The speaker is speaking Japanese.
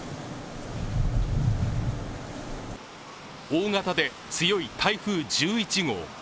大型で強い台風１１号。